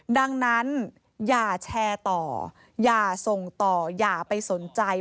ดังนั้นอย่าแชร์ต่ออย่าส่งต่ออย่าไปสนใจ